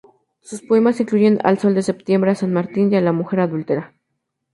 Sus poemas incluyen "Al sol de septiembre", "A San Martín" y "La mujer adúltera".